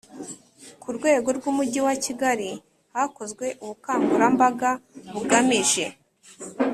Ku rwego rw Umujyi wa Kigali hakozwe ubukangurambaga bugamije